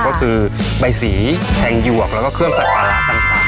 ก็คือใบสีแห่งหยวกแล้วก็เคลื่อนสักปลาระกันค่ะ